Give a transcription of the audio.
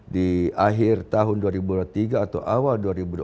di akhir tahun dua ribu tiga atau awal dua ribu empat